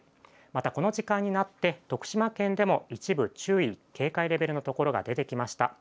また、この時間になって、徳島県でも一部、注意警戒レベルのところが出てきました。